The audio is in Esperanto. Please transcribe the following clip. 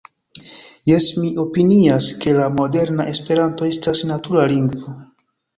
Jes, mi opinias, ke la moderna Esperanto estas natura lingvo.